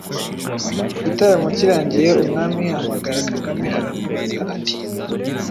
Igitaramo kirangiye umwami ahamagara Kagame aramubaza ati ;“